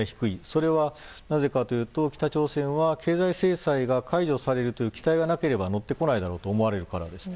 それはなぜかというと北朝鮮は経済制裁が解除されるという期待がなければ乗ってこないと思われるからです。